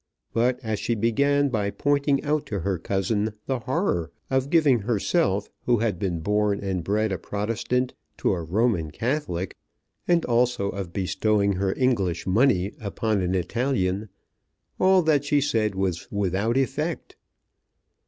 But as she began by pointing out to her cousin the horror of giving herself, who had been born and bred a Protestant, to a Roman Catholic, and also of bestowing her English money upon an Italian, all that she said was without effect.